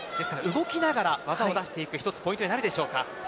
動きながら技を出していくのは１つポイントになるでしょうか。